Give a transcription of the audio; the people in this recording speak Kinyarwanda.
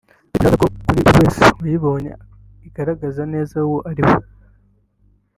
ariko ndahamya ko kuri buri wese wayibonye igaragaza neza uwo ari we”